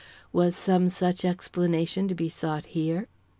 Was some such explanation to be sought here?